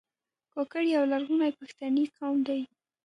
کاکړ یو لرغونی پښتنی قوم دی.